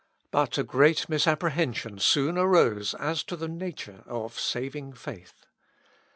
But a great misapprehension soon arose as to the nature of saving faith.